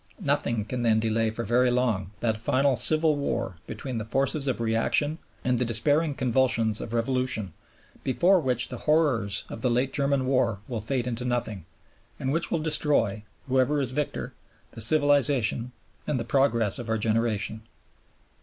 Nothing can then delay for very long that final civil war between the forces of Reaction and the despairing convulsions of Revolution, before which the horrors of the late German war will fade into nothing, and which will destroy, whoever is victor, the civilization and the progress of our generation.